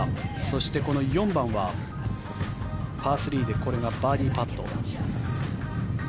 そしてこの４番はパー３でこれがバーディーパット。